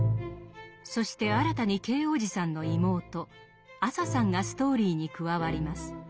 そして新たにＫ伯父さんの妹アサさんがストーリーに加わります。